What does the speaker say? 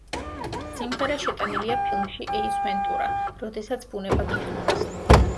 სიმღერა შეტანილია ფილმში ეის ვენტურა: როდესაც ბუნება გიხმობს.